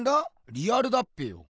リアルだっぺよ。